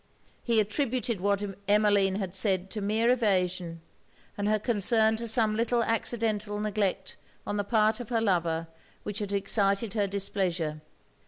He attributed what Emmeline had said to mere evasion, and her concern to some little accidental neglect on the part of her lover which had excited her displeasure.